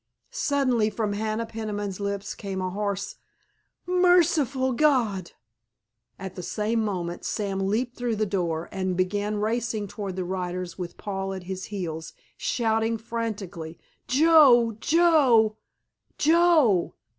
Suddenly from Hannah Peniman's lips came a hoarse, "Merciful God!" At the same moment Sam leaped through the door and began racing toward the riders with Paul at his heels, shouting frantically, "Joe, Joe, Joe!"